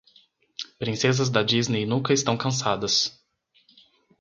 Princesas da Disney nunca estão cansadas.